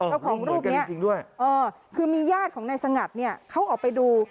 เออรุ่นเหมือนกันจริงด้วยเออคือมีญาติของนายสงัตริย์นี่เขาออกไปดู